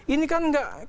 ini kan gak